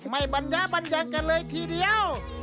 ไม่บรรยาบรรยากันเลยทีเดียว